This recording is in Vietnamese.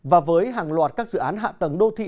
và với hàng loạt các dự án hạ tầng đô thị